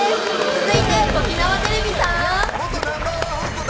続いては沖縄テレビさん。